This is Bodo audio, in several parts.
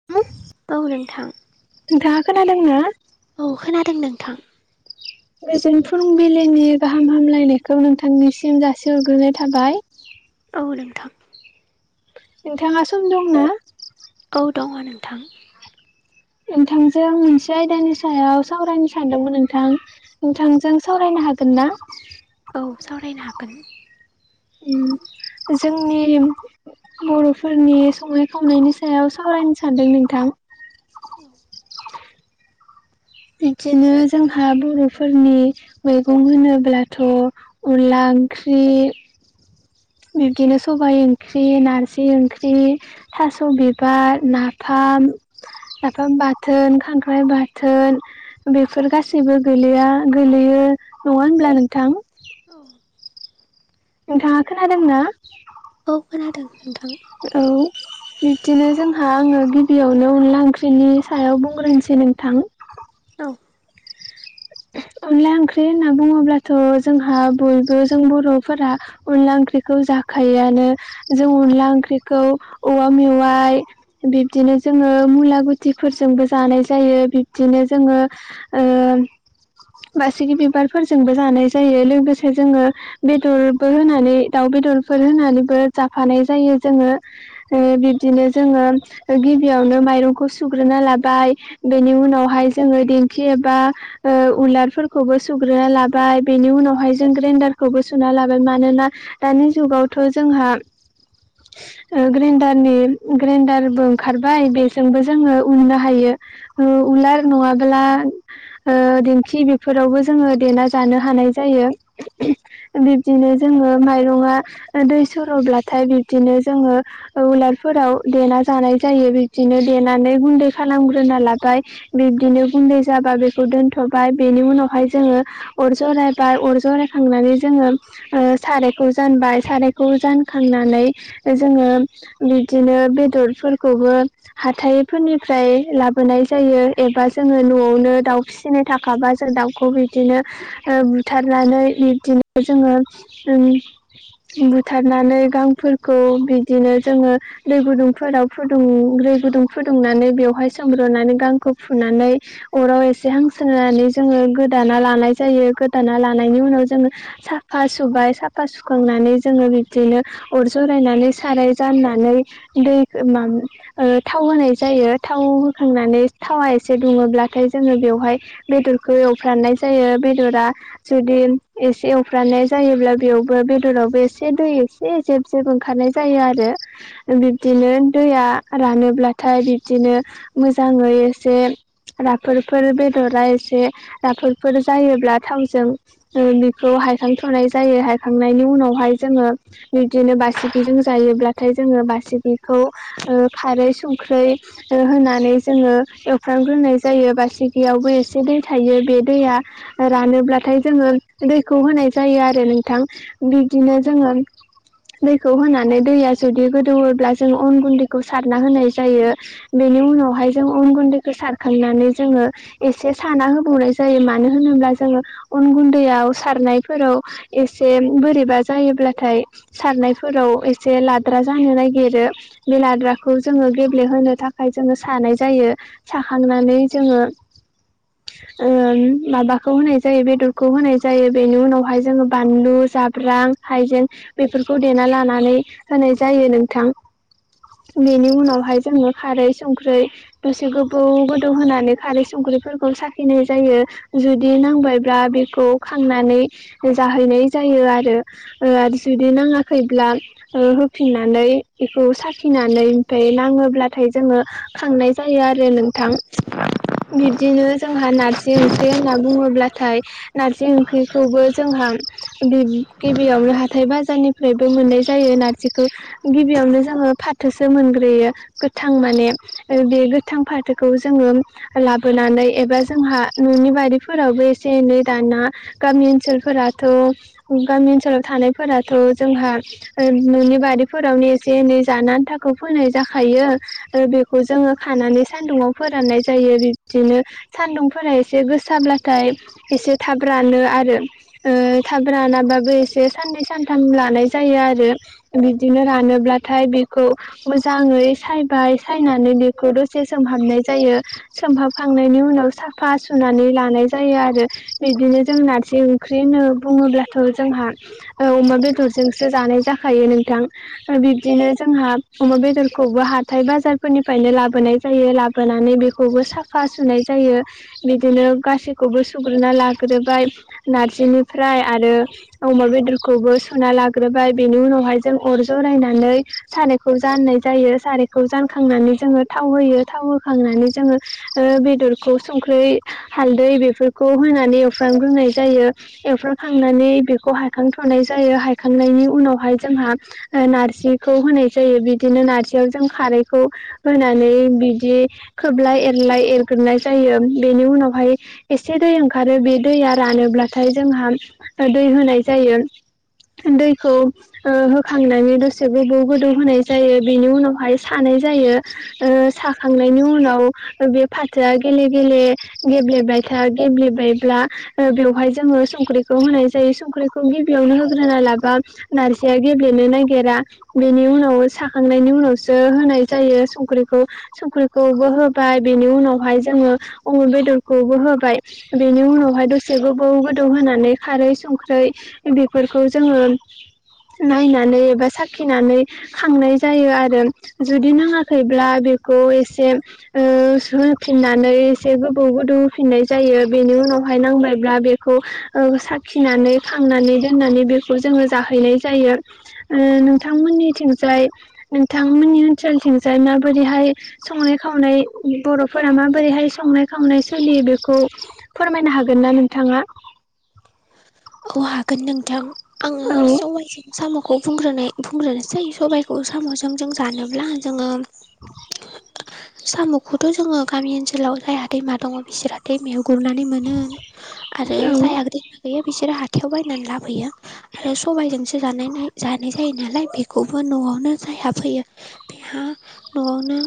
[unintelligible] औ नोंथां। नोंथाङा खोनादों ना? औ खोनादों नोंथां। गोजोन फुंबिलिनि गाहाम हामलायनायखौ नोंथांनिसिम जासिहरग्रोनाय थाबाय। औ नोंथां। नोंथाङा सम दं ना? औ दङ नोंथां नोंथांजों मोनसे आयदानि सायाव सावरायनो सानदोंमोन नोंथां नोंथांजों सावरायनो हागोन ना? औ सावरायनो हागोन उम जोंनि बर'फोरनि संनाय खावनायनि सायाव सावरायनो सानदों नोंथां [inaudible] बिदिनो जोंहा बर'फोरनि मैगं होनोब्लाथ' अनला‌ ओंख्रि बिब्दिनो सबाइ ओंख्रि नारजि ओंख्रि थास' बिबार नाफाम लाफा बाथोन खांख्राइ बाथोन। बेफोर गासैबो गोलैया गोलैयो नङा होनब्ला नोंथां। औ नोंथाङा खोनादोंना? औ खोनादों नोंथां औ बिबदिनो जोंहा आङो गिबियावनो अनला ओंख्रिनि सायाव बुंग्रोनोसै नोंथां औ अनला ओंख्रि होनना बुङोब्लाथ' जोंहा बयबो जों बर'फोरा अनला ओंख्रिखौ जाखायोआनो जों अनला ओंख्रिखौ औवा मेवाइ बिब्दिनो जोङो मुला गुथिफोरजोंबो जानाय जायो बिब्दिनो जोङो ओ बासिगि बिबारफोरजोंबो जानाय जायो लोगोसे जोङो बेदरबो होनानै दाउ बेदरफोर होनानैबो जाफानाय जायो जोङो ओ बिबदिनो जोङो गिबियावनो माइरंखौ सुग्रोना लाबाय बेनि उनावहाय जोङो दिंखि एबा ओ उलारफोरखौबो सुग्रोना लाबाय बेनि उनावहाय जों ग्रेन्डारखौबो सुना लाबाय मानोना दानि जुगावथ' जोंहा ओ ग्रेडारनि ग्रेन्डारबो ओंखारबाय बेजोंबो जोङो उननो हायो ओ उलार नङाबोला ओ दिंखि बेफोरावबो जोङो देना जानो हानाय जायो बिब्दिनो जोङो माइरङा दै सर'ब्लाथाय दिनो जोङो ओ उलारफोराव देना जानाय जायो बिदिनो देनानै गुन्दै खालामग्रोना लाबाय बिबदिनो गुनदै जाबा बे खौ दोनथ'बाय बेनि उनावहाय जोङो अर जरायबाय अर जरायखांनानै जोङो ओ सारायखौ जानबाय सारायखौ जानखांनानै जोङो बिदिनो बेदरफोरखौबो हाथाइफोरनिफ्राय लाबोनाय जायो एबा जोङो न'आवनो दाउ फिसिनो थाखाबा जों दाउखौ बिदिनो ओ बुथारनानै बिबदिनो जोङो बुथारनानै गांफोरखौ बिदिनो जोङो दै गुदुंफोराव फुदुं दै गुदुं फुदुंनानै बेवहाय सोमब्रनानै गांखौ फुनानै अराव एसे हांसोनानै जोङो गोदाना लानाय जायो गोदाना लानायनि उनाव जोङो साफा सुबाय साफा सुखांनानै जोङो बिब्दिनो अर जरायनानै साराय जाननानै दै मा ओ थाव होनाय जायो थाव होखांनानै थावा एसे दुङोब्लाथाय जोङो बेयाव बेवहाय बेदरखौ एवफ्राननाय जायो बेदरा जुदि एसे एवफ्रानाय जायोब्ला बेयावबो बेदरावबो एसे दै ए जेब जेब ओंखारनाय जायो आरो बिब्दिनो दैया रानोब्लाथाय बिब्दिनो मोजाङै एसे राफोदफोर बेदरा एसे राफोदफोर जायोब्ला थावजों बिखौ हायखांथ'नाय जायो हायखांनायनि उनावहाय जोङो बिदिनो बासिगजों जायोब्लाथाय जोङो बासिगखौ खारै संखै होनानै जोङो एवफ्रामग्रोनाय जायो बास दैयावबो एसे दै थायो बे दैया रानोब्लाथाय जोङो दैखौ होनाय जायो आरो नोंथां बिदिनो औ जोङो दैखौ होनानै दैया जुदि गोदौ ओब्ला जों अन गुन्दैखौ सारना होनाय जायो बेनि उनावहाय जों अन गुन्दैखौ सारखांनानै जोङो एसे साना होबावनाय जायो मानो होनोब्ला जोङो अन गुन्दैआव सारनायफोराव एसे बोरैबा जायोब्लाथाय सारनायफोराव एसे लाद्रा जानो नागिरो बेलाद्राखौ जोङो गेब्लेहोनो थाखाय जोङो सानाय जायो साखांनानै जोङो [inaudible] माबाखौ होनाय जायो बेदरखौ होनाय जायो बेनि उनावहाय जोङो बानलु जाब्रां हाइजें बेफोरखौ देना लानानै होनाय जायो नोंथां बेनि उनावहाय जोङो खारै संख्रै दसे गोबौ गोदौ होनानै खारै संख्रिफोरखौ साखिनाय जायो जुदि नांबायब्ला बेखौ खांनानै जाहैनाय जायो आरो जुदि नाङाखैब्ला होफिननानै बेखौ साखिनानै ओमफ्राय नाङोब्लाथाय जोङो खांनाय जायो आरो नोंथां बिबदिनो जोंहा नारजिं ओंख्रि जे होनना बुङोब्लाथाय नारजि ओंख्रिखौबो जोंहा गिबियावनो हाथाय बाजारनिफ्रायबो मोननाय जायो नारजिखौ गिबियावनो जोङो फाथोसो मोनग्रोयो गोथां माने बे गोथां फाथोखौ जोङो लाबोनानै एबा जोंहा न'नि बारिफोरावबो एसे एनै दाना गामि ओनसोलफोराथ' गामि ओनसोलाव थानायफोराथ' जोंहा नोंनि बारिफोरावनो एसे एनै जानानै आन्थाखौ फोनाय जाखायो आरो बे खौ जोङो खानानै सान्दुङाव फोराननाय जायो बिबदिनो सान्दुंफोरा एसे गोसाब्लाथाय एसे थाब रानो आरो थाब रानाबाबो एसे साननै सानथाम लानाय जायो आरो बिदिनो रानोब्लाथाय बेखौ मोजाङै सायबाय सायनानै बेखौ दसे सोमहाबनाय जायो सोमहाबखांनायनि उनाव साफा सुनानै लानाय जायो आरो बिदिनो जों नारजिं ओंख ओंख्रि होनो बुङोब्लाथ' जोंहा अमा बेदरजोंसो जानाय जाखायो नोंथां। बिब्दिनो जोंहा अमा बेदरखौबो हाथाय बाजारफोरनिफ्रायनो लाबोनाय जायो लाबोनानै बे खौबो साफा सुनाय जायो बिदिनो गासैखौबो सुग्रोना लाग्रोबाय नारजिनिफ्राय आरो अमा बेदरखौबो सुना लाग्रोबाय बेनि उनावहाय जों अर ज' रायनानै सारायखौ जाननाय जायो सारायखौ जानखांनानै जोङो थाव होयो थाव होखांनानै जोङो बेदरखौ संख्रि हालदै बेफोरखौ होनानै एवफ्रामग्रोनाय जायो। एवफ्रामखांनानै बेखौ हायखांथ'नाय जायो हायखांनायनि उनावहाय जोंहा नारजिखौ होनाय जायो बिदिनो नार्जियाव जों खारैखौ होनानै बिदि खोबलाय एरलाय एरग्रोनाय जायो बेनि उनावहाय एसे दै ओंखारो बे दैया रानोब्लाथाय जोंहा दै होनाय जायो। दैखौ होखांनानै दसे गोबौ गोदौ होनाय जायो बेनि उनावहाय सानाय जायो। ओ साखांनायनि उनाव औ बे फाथोआ गेले गेले गेब्लेबाय था गेब्लेबायब्ला ओ बेवहाय जोङो संख्रिखौ होनाय जायो संख्रिखौ गिबियावनो होग्रोना लाबा नारजिया गेब्लेनो नागेरा बेनि उनाव साखांनायनि उनावसो होनाय जायो संख्रिखौ संख्रिखौबो हो बा बेनि उनावहाय जोङो अमु बेदरखौबो होबाय बेनि उनावहाय दसे गोबौ गोदौ होनानै खारै संख्रै बेफोरखौ जोङो नायनानै एबा साखिनानै खांनाय जायो आरो जुदि नाङाखैब्ला बेखौ एसे ओ सफिननानै एसे गोबौ गोदौ होफिननाय जायो बेनि उनावहाय नांबायब्ला बेखौ औ साखिनानै खांनानै दोननानै बेखौ जोङो जाहैनाय जायो। ओ नोंथांमोननिथिंजाय नोंथांमोननि ओनसोलथिंजाय माबोरैहाय संनाय खावनाय बर'फोरा माबोरैहाय संनाय खावनाय सोलियो बेखौ फोरमायनो हागोन ना नोंथाङा? औ हागोन नोंथां आङो औ सबाइजों साम'खौ बुंग्रोनाय बुंग्रोनोसै सबाइखौ साम'जों जों जानोब्ला जोङो औ साम'खौथ' जोङो गामि ओनसोलाव जायहा दैमा दङ बिसोरहा दैमायाव गुरनानै मोनो आरो औ जाय आग रेंना गैया बिसोरो हाथायाव बायनानै लाबोयो। आरो सबायजोंसो जानाय जानाय जायो नालाय बेखौबो न'आवनो जायहा फैयो बेहा न'आवनो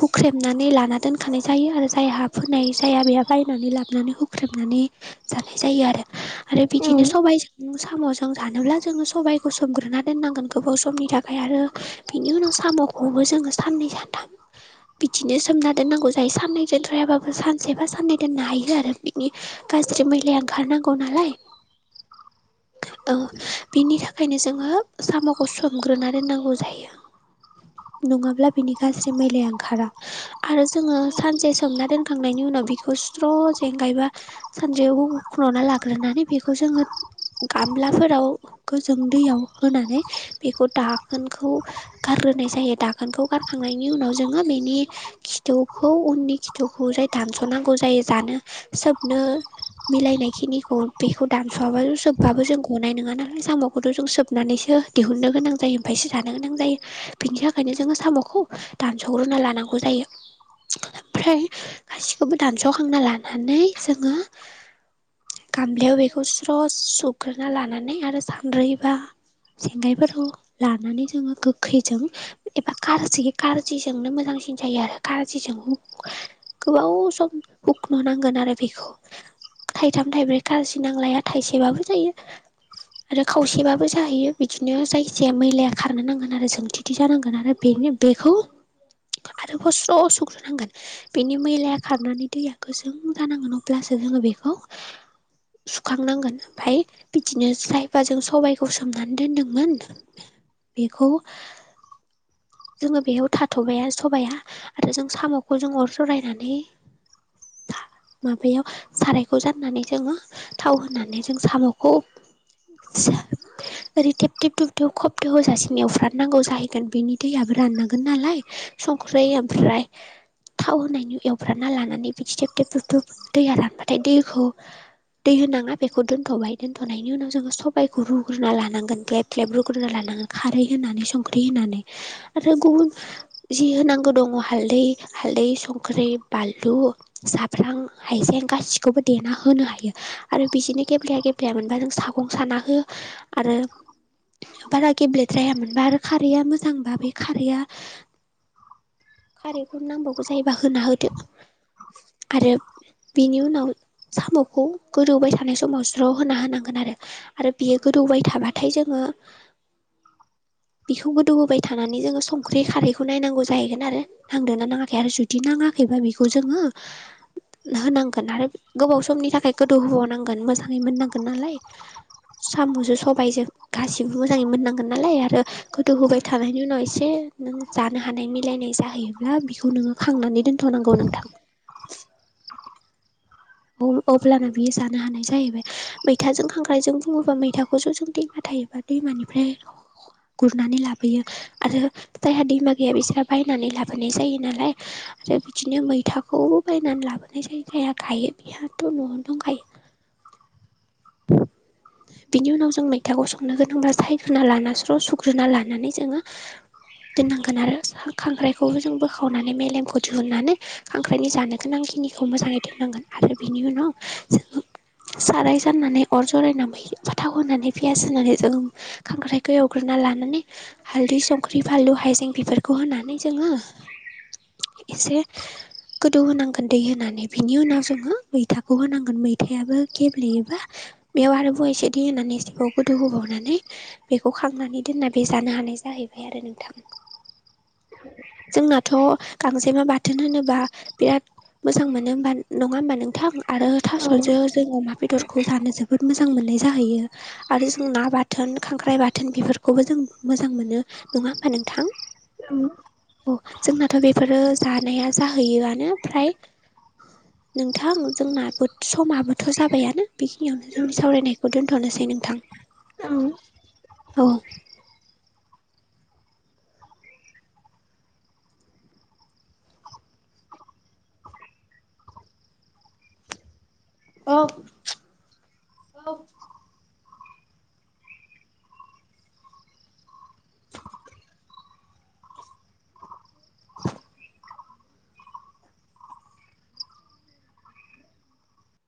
हुख्रेमनानै लाना दोनखानाय जायो आरो जाय हा फोनाय जाया बेहा बायनानै लाबोनानै हुख्र ख्रोमनानै जानाय जायो आरो आरो औ बिदिनो सबाइजों साम'जों जानोब्ला जोङो सबायाइखौ सोमग्रोना दोननांगोन गोबाव समनि थाखाय आरो बिनि उनाव साम'खौबो जोङो साननै सानथाम बिदिनो सोमना दोननांगौ जायो साननै दोनथ्रायाबाबो सानसेबा साननै दोननो हायो आरो बिनि औ जा मैलाया ओंखारनांगौ नालाय औ बिनि थाखाय ओंखायनो जोङो साम'खौ सोमग्रोना दोननांगौ जायो। [inaudible] नङाब्ला बिनि गाज्रि मैलाया ओंखारा आरो जोङो सानसे सोमना दोनखांनायनि उनाव बिखौ सु ज्र' जें गायबा सानसेयाव हुखना लाग्रोनानै बेखौ जोङो गामलाफोराव गोजों दैयाव होनानै बेखौ दाखोनखौ गारग्रोनाय जायो दाखोनखौ गारखांनायनि उनाव जोङो बेनि खिथुखौ उननि खिथुखौ जाय दानस'नांगौ जायो जानो सोबनो मिलायनाय खिनिखौ बेखौ दानस'वाब' सोबबाबो जों गनाय नङा नालाय साम'खौथ' जों सोबनानैसो दिहुननो गोनां जायो ओमफ्रायस जानो गोनां जायो बिनि थाखायनो जोङो साम'खौ दानस'ग्रोना लानांगौ जायो ओमफ्राय गासिखौबो दानस'ग्रोना लानानै जोङो गामलायाव बेखौ स्र' सुग्रोना लानानै आरो सान्द्रै बा जेंगायफोरखौ लानानै जोङो गोखैजों एबा कारजि कारजिजोंनो मोजांसिन जायो आरो कारजिजों गोबाव सम हुख'नो नांगोन आरो बेखौ थाइथाम थाइब्रै गाजि नांलाया थाइसेबाबो जायो आरो खावसेबाबो जाहैयो बिदिनो जायखिजाया मैलाया खारनो नांगोन आरो जोंथि दि जानांगोन आरो बेनि बेखौ आरो स्र' सुग्रोनांगोन बिनि मैलाया खारनानै दैया गोजों जानांगोन अ ब्लासो जोङो बेखौ सुखांनांगोन ओमफ्राय बिदिनो जाइबाजों सबाइखौ जों सोमनानै दोनदोंमोन बेखौ जोङो बेयाव थाथ'बाय सबाया आरो जों साम'खौ जों अर जरायनानै माबायाव सारायखौ जाननानै जोङो थाव होनानै जों साम'खौ [unintelligible] ओरै थे थेब थुबथेब खबदे होजासे एवफ्राननांगौ जाहैगोन बेनि दैयाबो राननांगोन नालाय संख्रै ओमफ्राय थाव होनायनि एवफ्राम ना लानानै बिदि थेब थेब थुबदुब दैया रानबाथाय दैखौ दै होनाङा बेखौ दोन्थ'बाय दोन्थ'नायनि उनाव जोङो सबायखौ रुग्रोनना लानांगोन गेब [unintelligible] रुग्रना लानांगोन खारै होनानै संख्रि होनानै आरो गुबुन जि होनांगौ दङ हालदै हालदै संख्रि बानलु जाब्रां हायसेजें गासिखौबो देना होनो हायो आरो बिदिनो गेब्लेया गेब्लेया मोनबा जों सागं साना हो आरो बारा गेब्लेद्रायामोनबा आरो खारैया मोजांबा बे खारैया खारैखौ नांबावगौ जायोबा होना होदो आरो बिनि उनाव साम'खौ गोदौबाय थानाय समाव ज्र' होना होनांगोन आरो आरो बेयो गोदौबाय थाबाथाय जोङो [inaudible] बेखौ गोदौहोबाय थानानै जोङो संख्रि खारैखौ नायनांगौ जाहैगोन आरो नांदोंना नाङाखै आरो जुदि नाङाखैबा बेखौ जोङो होनांगोन आरो गोबाव समनि थाखाय गोदौ होबावनांगोन मोजाङै मोननांगोन नालाय साम'जो सबायजों गासिबो मोजाङै मोननांगोन नालाय आरो गोदौ होबाय थानायनि उनाव एसे जानो हानाय मिलायनाय जाहैयोब्ला बिखौ नोङो खांनानै दोन होनांगौ नोंथां अब्लानो बियो जानो हानाय जाहैबाय मैथाजों खांख्राइजों बुङोबा मैथाखौ [unintelligible] दैमानिफ्राय गुरनानै लाबोयो आरो जायहा दैमा गैया बिसोरो बायनानै लाबोनाय जायो नालाय आरो बिदिनो मैथाखौबो बायनानै लाबोनाय जायो जायहा गायो बेहाथ' न'आवनो दंखायो [inaudible] बिनि उनाव जों मैथाखौ संनो गोनांबा सायग्रोना लाना स्र' सुग्रोना लानानै जोङो दोननांगोन आरो खांख्राइखौबो जों बोखावनानै मेलेमखौ दिहुननानै खांख्रायनि जानो गोनां खिनिखौ मोजाङै दोननांगोन आरो बिनि उनाव जोङो साराय दाननानै अर जरायनानै फाथाव होनानै पियास होनानै जों खांख्रायखौ एवग्रोना लानानै हालदै संख्रि फानलु हाइजें बेफोरखौ होनानै जोङो एसे गोदौ होनांगोन दै होनानै बिनि उनाव जोङो मैथाखौ होनांगोन मैथायाबो गेब्लेयो बेयाव आरोबाव एसे दै होनानै एसेबाव गोदौ होबावनानै बेखौ खांनानै दोनना बे जानो हानाय जाहैबाय आरो नोंथां। [inaudible] जोंना थ' गांजेमा बाथोन होनोबा बिराद मोजां मोनो हबा नङा होमब नों थां आरो थास'जों जोङो अमा बेदरखौ जानो जोबोद मोजां मोननाय जाहैयो। आरो जों ना बाथोन खांख्राइ बाथोन बेफोरखौबो जों मोजां मोनो। नङा होमबा नोंथां? औ औ जोंनाथ' बेफोरो जानाया जाहैयोआनो फ्राय नोंथां जोंनाबो समाबोथ' जाबायानो। बेखिनियावनो जोंनि सावरायनायखौ दोन्थ'नोसै नोंथां। औ औ औ औ